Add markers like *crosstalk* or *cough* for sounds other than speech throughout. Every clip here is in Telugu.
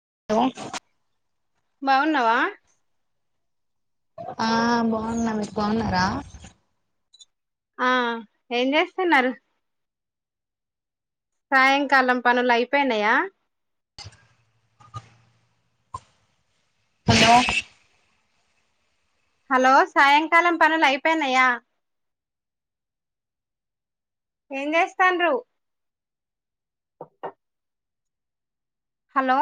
*unintelligible* బాగున్నావా ఆ బాగున్నా మీకు బాగున్నారా ఆ ఏం చేస్తున్నారు. సాయంకాలం పనులు అయిపోయినాయా హలో హలో సాయంకాలం పనులు అయిపోయినాయా ఏం చేస్తాను్రు హలో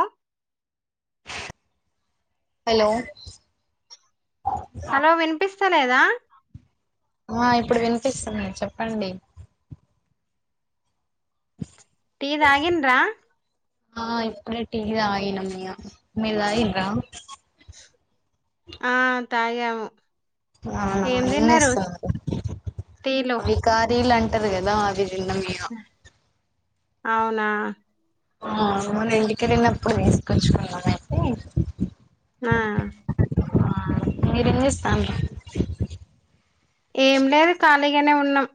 హలో హలో వినిపిస్త వినిపించలేదా ఆ ఇప్పుడు వినిపిస్తుంది చెప్పండి. టీ తగిండ్రా ఆ ఇప్పుడే టీ తాగినాం మీరు తగిండ్ర ఆ తాగాము *unintelligible* అంటే ఏం తిన్నారు టీలు *unintelligible* ఏ *unintelligible* అవునా ఆ మన ఇంటికి వెళ్ళినప్పుడు తీసుకొచ్చుకున్నానయితే ఆ ఆ మీరు *unintelligible* ఏం లేదు ఖాళీగానే ఉన్నాం.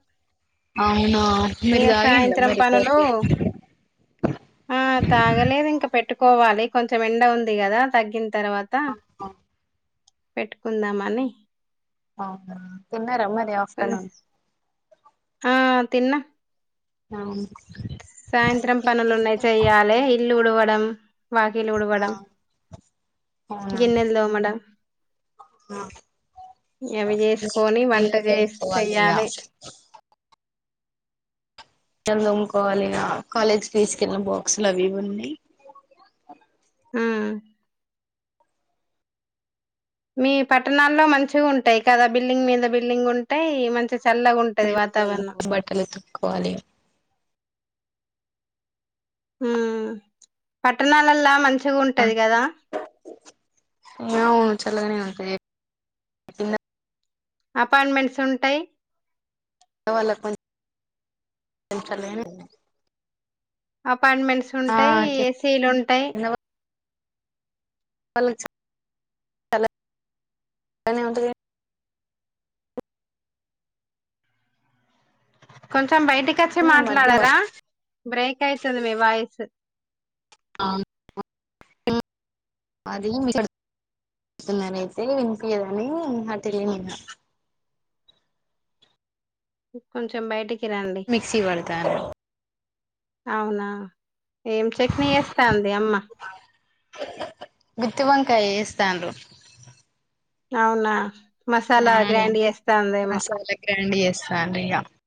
అవునా మీరు ఇక సాయంత్రం పనులు *unintelligible* ఆ తాగలేదు ఇంకా పెట్టుకు కోవాలి కొంచెం ఎండ ఉంది కదా తగ్గి తర్వాత ఆ, పెట్టుకుందామని అవునా తిన్నార మరి ఆఫ్టర్నూన్ తిన్న అ సాయంత్రం పనులున్నాయ్ చెయ్యాలె ఇల్లు వూడవడం *unintelligible* వాకిలు ఆ ఉడవడం అవునా గిన్నెలు దోమడం ఆ అవి జేసుకొని వంట గిన్నెలు చేసి తోముకోవాలి ఇగ చెయ్యాలె తోముకోవాలి ఇగ కాలేజ్కి తీసుకెళ్లిన బాక్సులు అవి ఉన్నాయ్ హ్మ్ మీ పట్టణాల్లో మంచిగా ఉంటాయ్ కదా బిల్డింగ్ మీద బిల్డింగ్ ఉంటాయ్ మంచి చల్లగుంటది వాతావరణం కోవాలి హ్మ్ పట్టణాలల్లా మంచి అవును చల్లగనే ఉ రె ఇన్న అపార్ట్మెంట్స్ ఉంటయ్ వాళ్ళ కొంచ *unintelligible* అ అపార్ట్మెంట్స్ ఉంటాయి ఏసీలు ఉంటాయ్ వాళ్ళ *inaudible* కొంచ మం బయటకి వచ్చి కానీ మధ్య మాట్లాడరా బ్రేక్ అయితుంది మీ వాయిస్ అది ఇ కడుతున్నారయితే వినిపియదని అటెల్లినా ఇగ కొంచెం బయటకి మిక్సీ పడతాన్న అవునా ఏం చట్నీ చేస్తా అంది అమ్మ గుత్తి వంకాయ చేస్తాన్రు అవునా మసాలా గ్రైండ్ చేస్తాందేమో ండ్ చేస్తాంది ఇగ